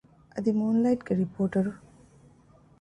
އަދި މޫންލައިޓްގެ ރިޕޯޓަރު